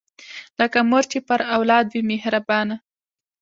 لکه مور چې پر اولاد وي مهربانه